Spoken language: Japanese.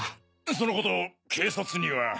そのこと警察には？